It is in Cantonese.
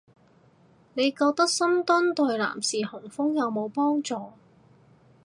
你覺得深蹲對男士雄風有冇幫助